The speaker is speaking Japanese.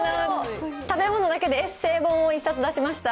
食べ物だけでエッセー本を１冊出しました。